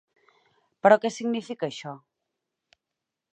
Però què significa això?